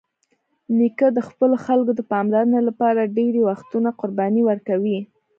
نیکه د خپلو خلکو د پاملرنې لپاره ډېری وختونه قرباني ورکوي.